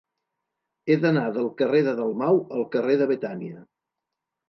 He d'anar del carrer de Dalmau al carrer de Betània.